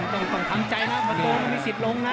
ต้องทำใจนะประตูมันมีสิทธิ์ลงนะ